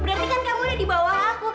berarti kan kamu ada di bawah aku